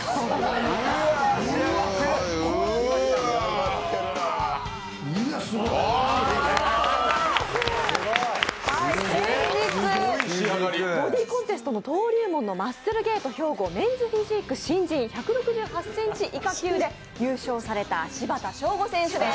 うわ先日、ボディコンテストの登竜門のマッスルゲート兵庫メンズフィジーク１６８ｃｍ以下級で優勝された柴田祥吾選手です。